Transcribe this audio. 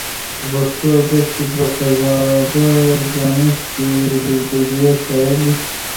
په پښتو ادب کې بخزاده دانش فې البدیه شاعر دی.